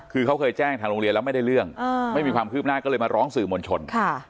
คือเขาเคยแจ้งทางโรงเรียนแล้วไม่ได้เรื่องไม่มีความคืบหน้าก็เลยมาร้องสื่อมวลชน